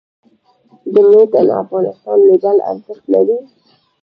د "Made in Afghanistan" لیبل ارزښت لري؟